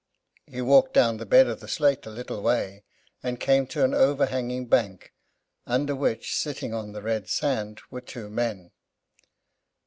He walked down the bed of the sluit a little way and came to an overhanging bank, under which, sitting on the red sand, were two men.